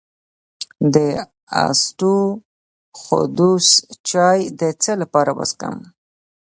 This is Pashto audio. د اسطوخودوس چای د څه لپاره وڅښم؟